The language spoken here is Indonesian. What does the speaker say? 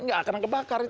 nggak karena kebakar itu